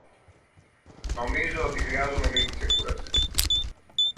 Νομίζω ότι χρειάζομαι λίγη ξεκούραση.